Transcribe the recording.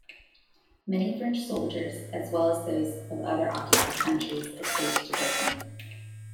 Many French soldiers, as well as those of other occupied countries, escaped to Britain.